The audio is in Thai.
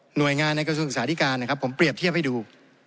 หน่วยงานในกระทรวงศึกษาธิการนะครับผมเปรียบเทียบให้ดู